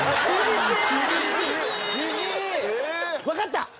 わかった！